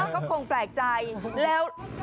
ก็คงแปลกใจแล้ว